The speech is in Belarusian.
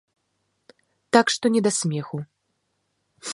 Так што не да смеху.